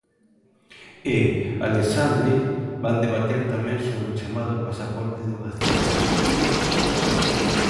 E, Alexandre, van debater tamén sobre o chamado pasaporte de vacinación...